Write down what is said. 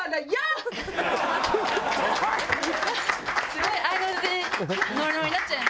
すごい合いの手でノリノリになっちゃいました。